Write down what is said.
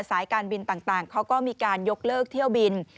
สายการบินต่างเขาก็มีการยกเลิกเที่ยวบิน